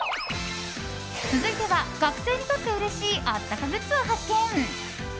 続いては、学生にとってうれしいあったかグッズを発見！